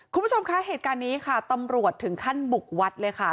คุณผู้ชมคะเหตุการณ์นี้ค่ะตำรวจถึงขั้นบุกวัดเลยค่ะ